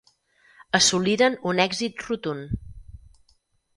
Assoliren un èxit rotund.